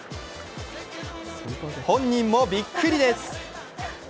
本人もびっくりです。